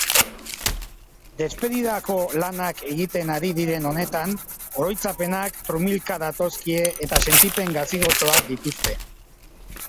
Despedidako lanak egiten ari diren honetan oroitzapenak trumilka datozkie eta sentipen gazi-gozoak dituzte.